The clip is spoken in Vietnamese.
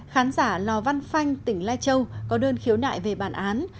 khán giả lò văn phanh tỉnh lai châu có đơn khiếu nại về bản án